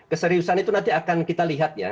keseriusan itu nanti akan kita lihat ya